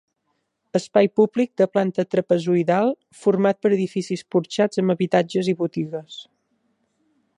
Espai públic de planta trapezoidal, format per edificis porxats amb habitatges i botigues.